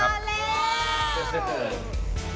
มาแล้ว